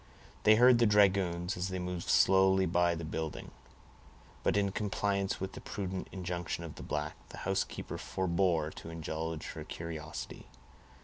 They heard the dragoons, as they moved slowly by the building; but in compliance with the prudent injunction of the black, the housekeeper forbore to indulge her curiosity.